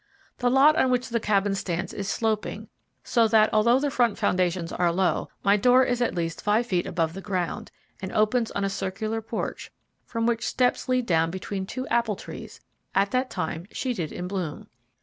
The lot on which the Cabin stands is sloping, so that, although the front foundations are low, my door is at least five feet above the ground, and opens on a circular porch, from which steps lead down between two apple trees, at that time sheeted in bloom.